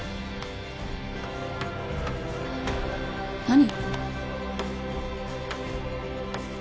何？